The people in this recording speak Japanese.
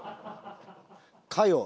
「かよ！」